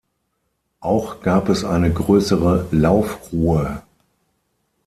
Auch gab es eine größere Laufruhe.